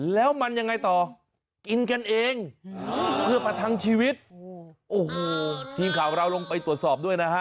แล้วมันยังไงต่อกินกันเองเพื่อประทังชีวิตโอ้โหทีมข่าวเราลงไปตรวจสอบด้วยนะฮะ